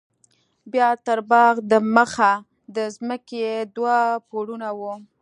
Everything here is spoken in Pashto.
بيا تر باغ د مخه د ځمکې دوه پوړونه وو.